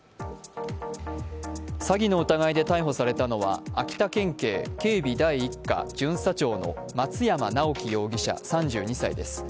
詐欺の疑いで逮捕されたのは、秋田県警警備第一課巡査長の松山直樹容疑者３２歳です。